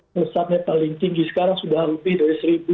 melesatnya paling tinggi sekarang sudah lebih dari seribu